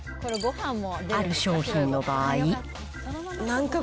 ある商品の場合。